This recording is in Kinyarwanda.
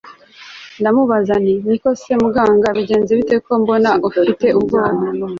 ndamubaza nti niko se muganga bigenze bite ko mbona ufite ubwoba